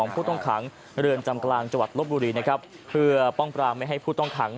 เพื่อป้องกลางให้ผู้ต้องขัง